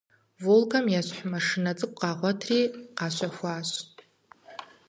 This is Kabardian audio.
«Волгэм» ещхь маршынэ цӀыкӀу къагъуэтри къащэхуащ.